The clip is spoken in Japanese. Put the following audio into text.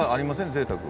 ぜいたく。